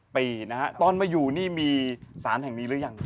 ปีนะฮะตอนมาอยู่นี่มีสารแห่งนี้หรือยัง